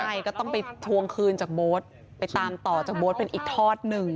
ใช่ก็ต้องไปทวงคืนจากโบ๊ทไปตามต่อจากโบ๊ทเป็นอีกทอดหนึ่ง